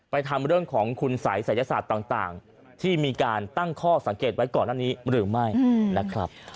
ทำเรื่องของคุณสัยศัยศาสตร์ต่างที่มีการตั้งข้อสังเกตไว้ก่อนหน้านี้หรือไม่นะครับ